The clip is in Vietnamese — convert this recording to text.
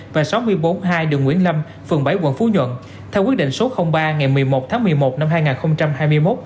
và sáu mươi bốn hai đường nguyễn lâm phường bảy quận phú nhuận theo quyết định số ba ngày một mươi một tháng một mươi một năm hai nghìn hai mươi một